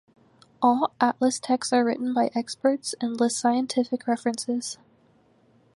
All atlas texts are written by experts and list scientific references.